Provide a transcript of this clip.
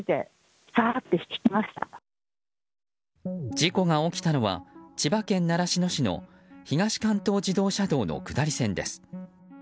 事故が起きたのは千葉県習志野市の東関東自動車道の下り線です。